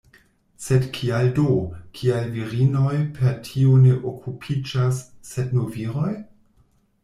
Sed kial do, kial virinoj per tio ne okupiĝas, sed nur viroj?